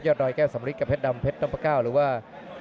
ยอดดอยแก้สำฤิทธิ์กะเพ็ดด่ำเพ็ดน้ำพะก้าวหรือว่า